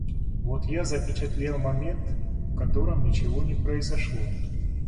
Вот я запечатлел момент, в котором ничего не произошло.